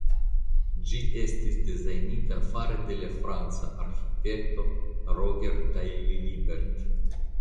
Ĝi estis dezajnita fare de la franca arĥitekto Roger Taillibert.